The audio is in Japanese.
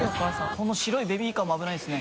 この白いベビーカーも危ないですね。